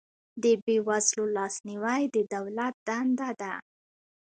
د بې وزلو لاسنیوی د دولت دنده ده